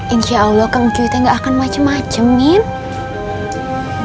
insya allah kangen cu itu nggak akan macem macem mimin